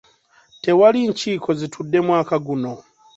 Tewali nkiiko zitudde mwaka guno.